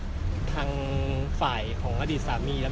ไม่ใช่นี่คือบ้านของคนที่เคยดื่มอยู่หรือเปล่า